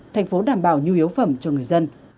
thành phố đảm bảo nhu yếu phẩm cho người dân